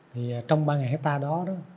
thì trong ba hecta đó